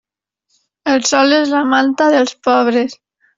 El sol és la manta dels pobres.